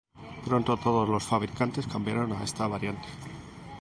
Pronto todos los fabricantes cambiaron a esta variante.